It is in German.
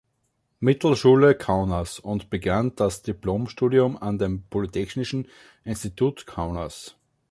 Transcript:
Mittelschule Kaunas und begann das Diplomstudium an dem Polytechnischen Institut Kaunas.